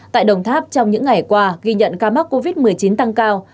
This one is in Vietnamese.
tại đồng tháp trong những ngày qua ghi nhận ca mắc covid một mươi chín tăng cao